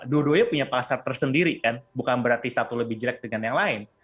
dua duanya punya pasar tersendiri kan bukan berarti satu lebih jelek dengan yang lain